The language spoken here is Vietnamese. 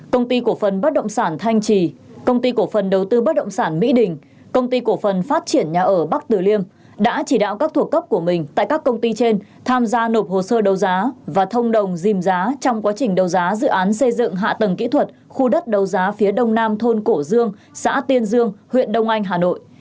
công ty cổ phần bất động sản thanh trì công ty cổ phần đầu tư bất động sản mỹ đình công ty cổ phần phát triển nhà ở bắc tử liêm đã chỉ đạo các thuộc cấp của mình tại các công ty trên tham gia nộp hồ sơ đấu giá và thông đồng dìm giá trong quá trình đấu giá dự án xây dựng hạ tầng kỹ thuật khu đất đấu giá phía đông nam thôn cổ dương xã tiên dương huyện đông anh hà nội